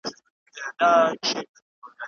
ملي شورا کډوالو ته ویزې نه بندوي.